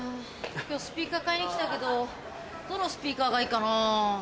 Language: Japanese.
今日スピーカー買いに来たけどどのスピーカーがいいかな？